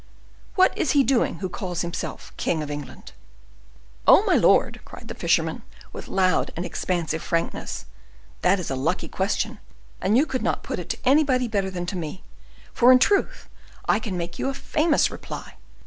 What is he doing who calls himself king of England?" "Oh, my lord!" cried the fisherman, with loud and expansive frankness, "that is a lucky question, and you could not put it to anybody better than to me, for in truth I can make you a famous reply.